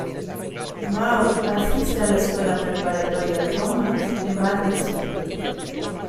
Maud asiste a la escuela Preparatoria Thomas, en Battersea.